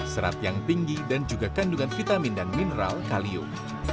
serat yang tinggi dan juga kandungan vitamin dan mineral kalium